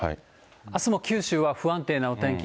あすも九州は不安定なお天気。